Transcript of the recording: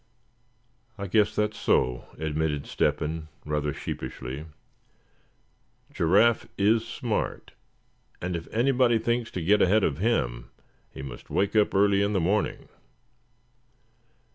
"I guess that's so," admitted Step hen, rather sheepishly. "Giraffe is smart, and if anybody thinks to get ahead of him he must wake up early in the morning.